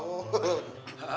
gak usah raya